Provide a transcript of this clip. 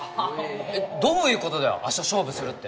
どういうことだよ明日勝負するって。